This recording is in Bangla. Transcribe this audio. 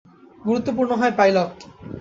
গুরুত্বপূর্ণ হয় পাইলট।